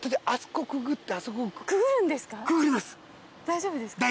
大丈夫ですか？